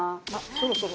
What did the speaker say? そろそろ？